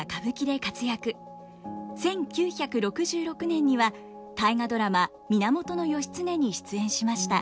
１９６６年には「大河ドラマ源義経」に出演しました。